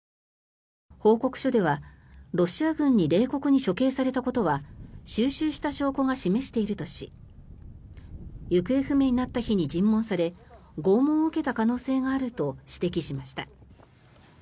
報告書では、ロシア軍に冷酷に処刑されたことは収集した証拠が示しているとし行方不明になった日に尋問され拷問を受けた可能性があると指摘しました。